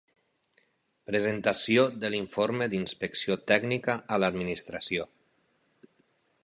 Presentació de l'informe d'inspecció tècnica a l'Administració.